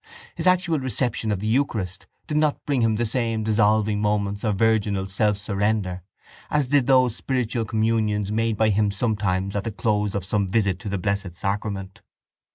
His actual reception of the eucharist did not bring him the same dissolving moments of virginal self surrender as did those spiritual communions made by him sometimes at the close of some visit to the Blessed Sacrament.